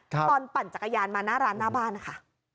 ตอนปั่นจักรยานมาร้านหน้าบ้านค่ะ